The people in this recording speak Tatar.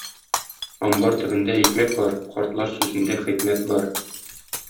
Амбар төбендә икмәк бар, картлар сүзендә хикмәт бар.